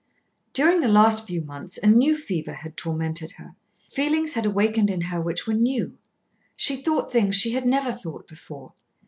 During the last few months a new fever had tormented her. Feelings had awakened in her which were new. She thought things she had never thought before.